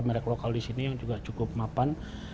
merek lokal disini yang cukup mapan